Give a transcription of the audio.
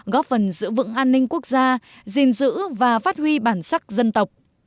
góp phần giữ vững an ninh quốc gia gìn giữ và phát huy bản sắc dân tộc